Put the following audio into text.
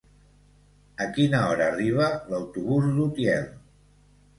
A quina hora arriba l'autobús d'Utiel?